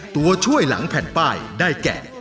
ตัวช่วยหลังแผ่นป้ายได้แก่